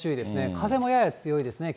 風もやや強いですね。